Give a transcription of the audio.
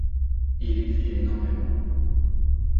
Il écrit énormément.